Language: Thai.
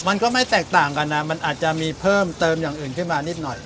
มันก็ไม่แตกต่างกันนะมันอาจจะมีเพิ่มเติมอย่างอื่นขึ้นมานิดหน่อย